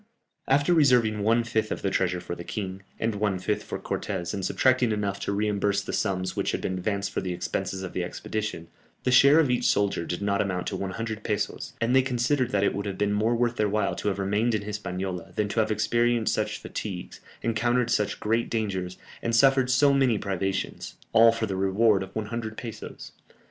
After reserving one fifth of the treasure for the king, and one fifth for Cortès and subtracting enough to reimburse the sums which had been advanced for the expenses of the expedition, the share of each soldier did not amount to 100 pesos, and they considered that it would have been more worth their while to have remained in Hispaniola, than to have experienced such fatigues, encountered such great dangers, and suffered so many privations, all for the reward of 100 pesos!